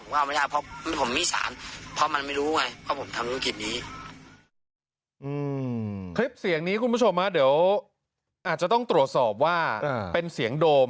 คลิปเสียงนี้คุณผู้ชมฮะเดี๋ยวอาจจะต้องตรวจสอบว่าเป็นเสียงโดม